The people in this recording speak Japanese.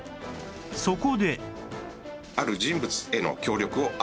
そこで